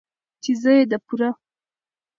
،چې زه يې د پوره